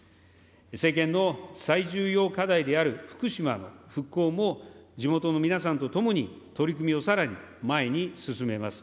政権の最重要課題である福島の復興も、地元の皆さんと共に取り組みをさらに前に進めます。